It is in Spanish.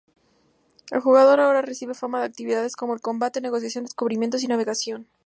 El jugador ahora recibe "fama" de actividades como el combate, negociación, descubrimientos, y navegación.